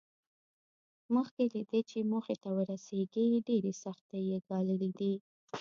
مخکې له دې چې موخې ته ورسېږي ډېرې سختۍ یې ګاللې دي